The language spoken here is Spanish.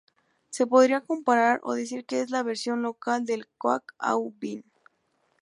Se podría comparar o decir que es la versión local del Coq-au-vin.